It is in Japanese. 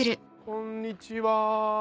こんにちは。